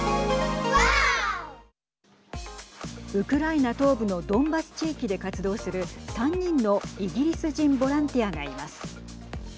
ウクライナ東部のドンバス地域で活動する３人のイギリス人ボランティアがいます。